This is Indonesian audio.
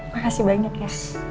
makasih banget ya